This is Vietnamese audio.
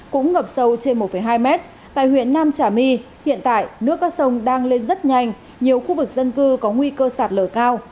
tuyến đường hồ chí minh qua huyện tây giang ngập sâu trên một hai m tại huyện nam trà my hiện tại nước các sông đang lên rất nhanh nhiều khu vực dân cư có nguy cơ sạt lở cao